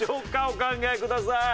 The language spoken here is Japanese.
お考えください。